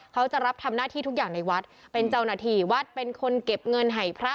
เขาจะรับทำหน้าที่ทุกอย่างในวัดเป็นเจ้าหน้าที่วัดเป็นคนเก็บเงินให้พระ